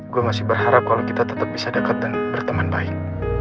gue masih berharap kalau kita tetap bisa dekat dan berteman baik